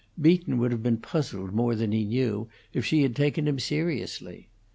Beaton would have been puzzled more than he knew if she had taken him seriously.